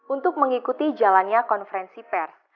untuk mengikuti jalannya konferensi pers